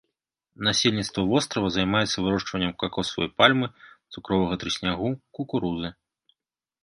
Насельніцтва вострава займаецца вырошчваннем какосавай пальмы, цукровага трыснягу, кукурузы.